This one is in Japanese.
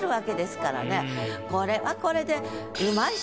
これはこれで。